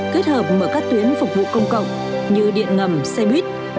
kết hợp mở các tuyến phục vụ công cộng như điện ngầm xe buýt